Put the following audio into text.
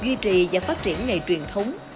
duy trì và phát triển nghề truyền thống